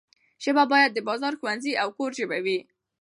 ژبه باید د بازار، ښوونځي او کور ژبه وي.